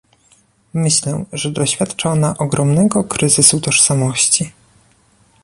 Myślę, że doświadcza ona ogromnego kryzysu tożsamości